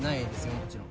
もちろん。